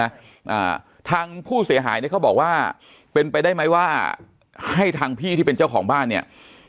อ่าทางผู้เสียหายเนี้ยเขาบอกว่าเป็นไปได้ไหมว่าให้ทางพี่ที่เป็นเจ้าของบ้านเนี่ย